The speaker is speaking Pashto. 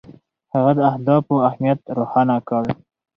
هغه د اهدافو اهمیت روښانه کړ.